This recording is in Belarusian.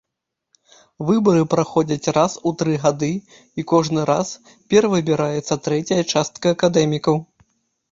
Выбары праходзяць раз у тры гады і кожны раз перавыбіраецца трэцяя частка акадэмікаў.